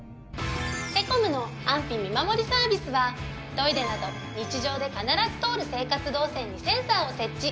セコムの安否見守りサービスはトイレなど日常で必ず通る生活動線にセンサーを設置。